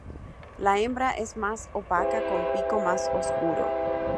La hembra es más opaca con pico más oscuro.